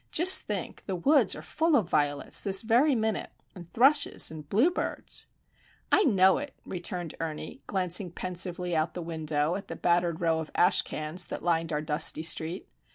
Just think, the woods are full of violets this very minute,—and thrushes, and bluebirds!" "I know it," returned Ernie, glancing pensively out the window at the battered row of ash cans that lined our dusty street.